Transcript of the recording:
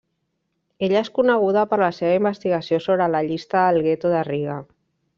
Ella és coneguda per la seva investigació sobre la llista del Gueto de Riga.